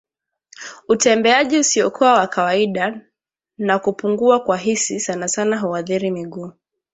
Utembeaji usiokuwa wa kawaida na kupungua kwa hisi sanasana huathiri miguu